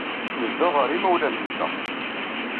Nezdeɣ ɣer yimawlan-nteɣ.